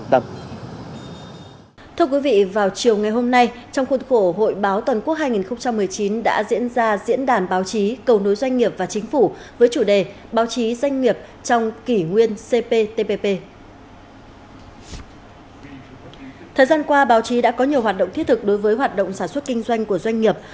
thời gian qua báo chí đã có nhiều hoạt động thiết thực đối với hoạt động sản xuất kinh doanh của doanh nghiệp